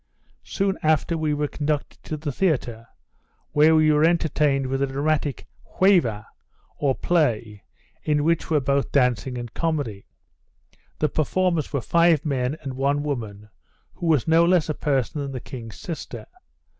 Soon after we were conducted to the theatre; where we were entertained with a dramatic heuva, or play, in which were both dancing and comedy. The performers were five men, and one woman, who was no less a person than the king's sister.